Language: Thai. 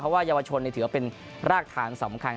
เพราะว่ายาวชนเองถือเป็นราคฐานสำคัญ